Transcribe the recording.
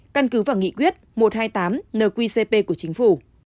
căn cứ vào nghị quyết một trăm hai mươi tám nqcp của chính phủ